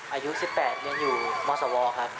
อายุ๑๘ยังอยู่หมอน์สาวอลครับ